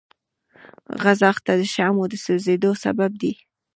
ځغاسته د شحمو د سوځېدو سبب ده